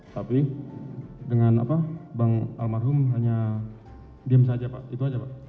tapi dengan bang almarhum hanya diem saja pak itu aja pak